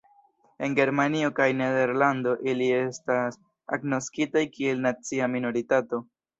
En Germanio kaj Nederlando ili estas agnoskitaj kiel nacia minoritato.